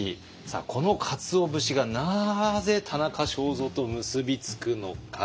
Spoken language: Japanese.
このかつお節がなぜ田中正造と結び付くのか。